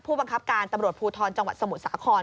ผู้บังคับการตำรวจภูทรจังหวัดสมุทรสาคร